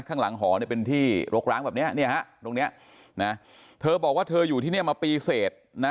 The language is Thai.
ข้างหลังหอเนี่ยเป็นที่รกร้างแบบนี้เนี่ยฮะตรงนี้นะเธอบอกว่าเธออยู่ที่นี่มาปีเสร็จนะ